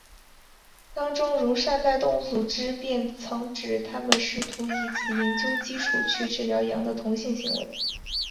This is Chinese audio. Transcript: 当中如善待动物组织便曾指它们试图以此研究基础去治疗羊的同性行为。